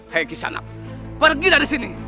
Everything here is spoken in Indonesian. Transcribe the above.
hei kisanak pergi dari sini